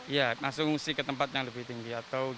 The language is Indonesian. langsung sih ke tempat yang lebih tinggi